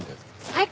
はい！